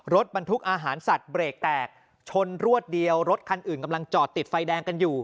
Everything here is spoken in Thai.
รถบรรทุกอาหารสัตว์เบรกแตกชนรวดเดียวรถคันอื่นกำลังจอดติดไฟแดงกันอยู่